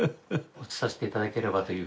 写させて頂ければという。